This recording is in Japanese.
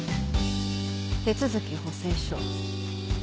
手続補正書。